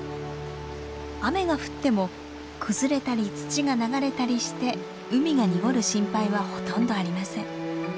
雨が降っても崩れたり土が流れたりして海が濁る心配はほとんどありません。